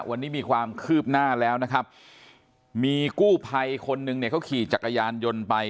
วันนี้มีความคืบหน้าแล้วนะครับมีกู้ภัยคนนึงเนี่ยเขาขี่จักรยานยนต์ไป